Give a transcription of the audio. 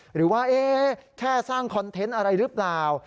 หรือว่าแค่สร้างคอนเทนต์อะไรหรือเปล่า